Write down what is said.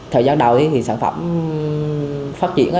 thời gian đầu thì sản phẩm phát triển